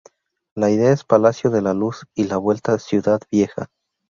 La ida es Palacio de la Luz y la vuelta Ciudad Vieja.